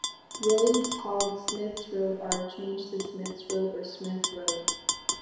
Roads called Smith's Road are changed to Smiths Road or Smith Road.